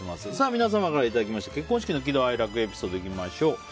皆さんからいただきました結婚式の喜怒哀楽エピソードいきましょう。